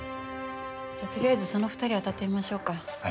じゃあとりあえずその２人を当たってみましょうか。